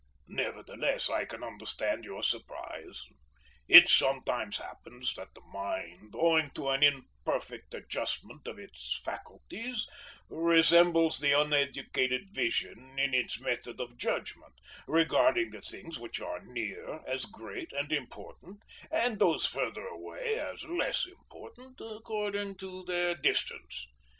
"Nevertheless I can understand your surprise. It sometimes happens that the mind, owing an an imperfect adjustment of its faculties, resembles the uneducated vision in its method of judgment, regarding the things which are near as great and important, and those further away as less important, according to their distance.